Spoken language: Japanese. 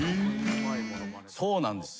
そうなんです。